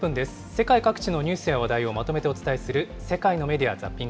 世界各地のニュースや話題をまとめてお伝えする世界のメディア